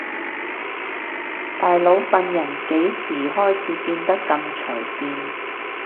大佬份人幾時開始變得咁隨便